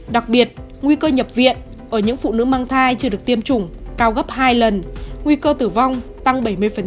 đặc biệt nguy cơ nhập viện ở những phụ nữ mang thai chưa được tiêm chủng cao gấp hai lần nguy cơ tử vong tăng bảy mươi